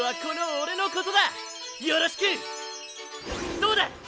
どうだ！